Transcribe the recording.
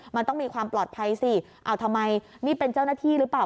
มันต้องมีความปลอดภัยสิเอาทำไมนี่เป็นเจ้าหน้าที่หรือเปล่า